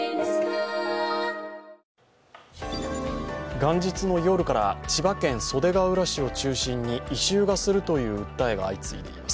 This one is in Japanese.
元日の夜から千葉県袖ケ浦市を中心に異臭がするという訴えが相次いでいます。